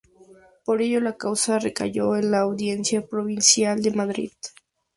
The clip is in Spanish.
Por ello, la causa recayó en la Audiencia Provincial de Madrid.